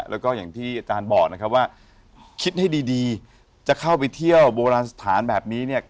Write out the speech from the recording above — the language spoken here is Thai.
แล้วก็อย่างที่อาจารย์บอกนะครับว่าคิดให้ดีจะเข้าไปเที่ยวโบราณสถานแบบนี้เนี่ย